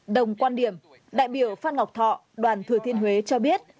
đồng quan điểm đại biểu phan ngọc thọ đoàn thừa thiên huế cho biết